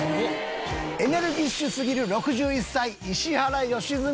「エネルギッシュすぎる６１歳石原良純